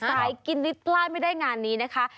สายกินนิดพลาดไม่ได้งานนี้นะคะ